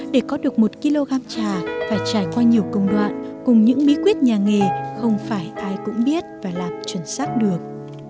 để có được một kg trà phải trải qua nhiều công đoạn cùng những bí quyết nhà nghề không phải ai cũng biết và làm chuẩn xác được